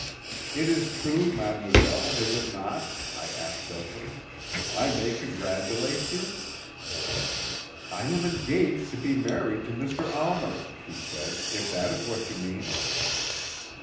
"'It is true, mademoiselle, is it not?' I asked of her. 'I may congratulate you?' "'I am engaged to be married to Mr. Almer,' she said, 'if that is what you mean.'